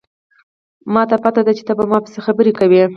ما ته پته ده چې ته په ما پسې خبرې کوې